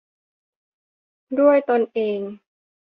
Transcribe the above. ด้วยตนเอง